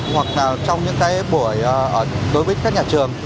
hoặc là trong những cái buổi đối với các nhà trường